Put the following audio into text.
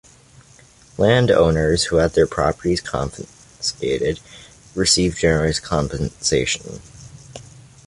Landowners who had their properties confiscated received generous compensation.